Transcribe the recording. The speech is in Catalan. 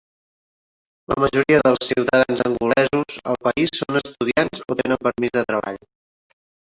La majoria dels ciutadans angolesos al país són estudiants o tenen permís de treball.